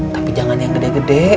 tapi jangan yang gede gede